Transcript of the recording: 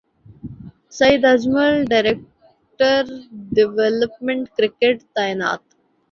سعید Ajmal director development cricket تعینات